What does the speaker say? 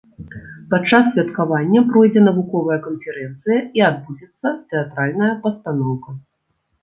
Падчас святкавання пройдзе навуковая канферэнцыя і адбудзецца тэатральная пастаноўка.